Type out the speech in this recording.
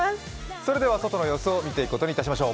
それでは外の様子を見ていくことにいたしましょう。